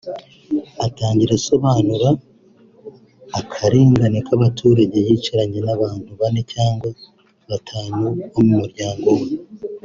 agatangira asobanura akarengane k’ abaturage yicaranye n’abantu bane cyangwa batanu bo mu muryango we